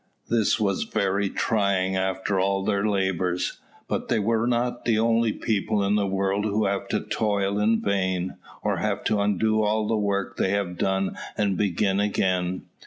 This was very trying after all their labours; but they were not the only people in the world who have to toil in vain, or have to undo all the work they have done and begin again.